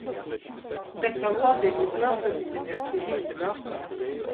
Veckans avdelningsmöte blir ett hybridmöte.